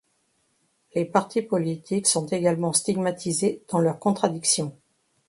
Les partis politiques sont également stigmatisés dans leur contradictions.